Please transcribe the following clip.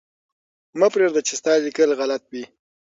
مه پرېږده چې ستا لیکل غلط وي.